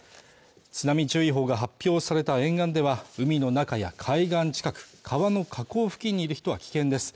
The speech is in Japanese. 津波注意報が発表された沿岸では海の中や海岸近く川の河口付近にいる人は危険です